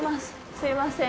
すいません。